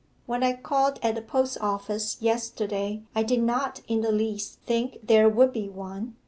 When I called at the post office yesterday I did not in the least think there would be one.